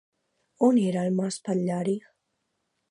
On era el mas Patllari?